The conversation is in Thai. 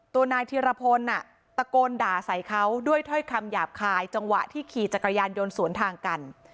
นายธีรพลตะโกนด่าใส่เขาด้วยถ้อยคำหยาบคายจังหวะที่ขี่จักรยานยนต์สวนทางกัน